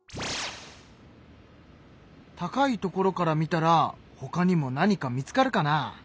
高い所から見たらほかにも何か見つかるかな？